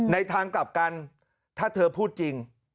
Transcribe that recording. ในทางกลับกันถ้าเธอพูดจริง